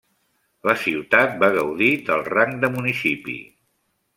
La ciutat va gaudir del rang de municipi.